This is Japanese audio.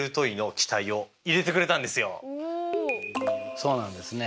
そうなんですね。